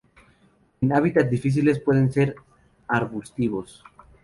En hábitats difíciles, pueden ser arbustivos.